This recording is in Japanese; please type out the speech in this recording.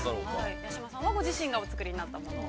八嶋さんも、ご自身のお作りになったものを。